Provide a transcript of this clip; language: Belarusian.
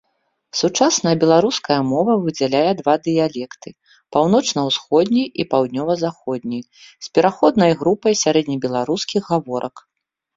Сучасная беларуская мова выдзяляе два дыялекты, паўночна-усходні і паўднёва-заходні, з пераходнай групай сярэднебеларускіх гаворак.